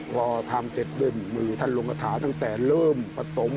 พอทำเสร็จด้วยมือท่านลงกระถาตั้งแต่เริ่มผสม